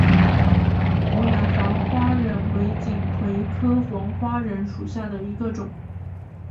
湖南黄花稔为锦葵科黄花稔属下的一个种。